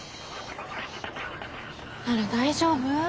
あら大丈夫？